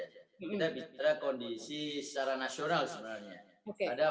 kita bicara kondisi secara nasional sebenarnya